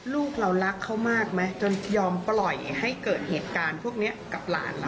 ลูกเรารักเขามากไหมจนยอมปล่อยให้เกิดเหตุการณ์พวกนี้กับหลานเรา